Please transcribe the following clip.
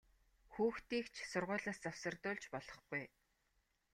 Хүүхдийг ч сургуулиас завсардуулж болохгүй!